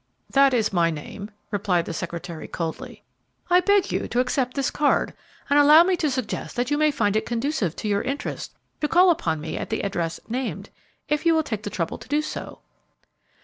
"That is my name," replied the secretary, coldly. "I beg you will accept this card; and allow me to suggest that you may find it conducive to your interests to call upon me at the address named, if you will take the trouble to do so."